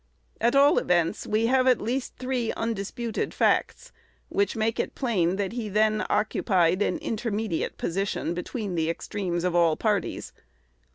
At all events, we have at least three undisputed facts, which make it plain that he then occupied an intermediate position between the extremes of all parties.